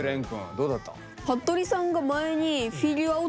どうだった？